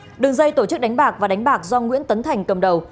đường dây tổ chức đánh bạc và đánh bạc do nguyễn tấn thành cầm đầu